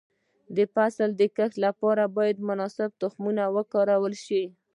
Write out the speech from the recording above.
د فصل د کښت لپاره باید مناسب تخنیکونه وکارول شي.